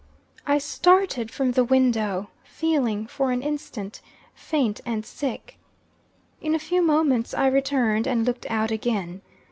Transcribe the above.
I started from the window, feeling, for an instant, faint and sick. In a few moments I returned, and looked out again.